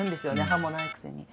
歯もないくせに。